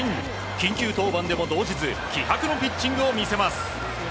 緊急登板でも動じず気迫のピッチングを見せます。